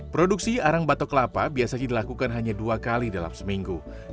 produksi arang batok kelapa biasanya dilakukan hanya dua kali dalam seminggu